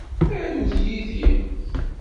Arut yid-i.